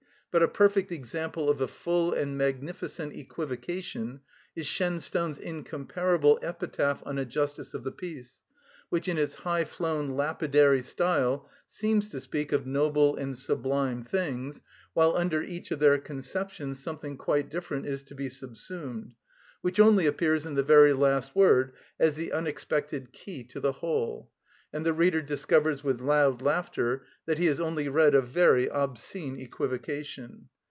But a perfect example of a full and magnificent equivocation is Shenstone's incomparable epitaph on a justice of the peace, which, in its high flown lapidary style, seems to speak of noble and sublime things, while under each of their conceptions something quite different is to be subsumed, which only appears in the very last word as the unexpected key to the whole, and the reader discovers with loud laughter that he has only read a very obscene equivocation.